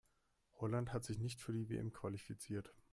Holland hat sich nicht für die WM qualifiziert.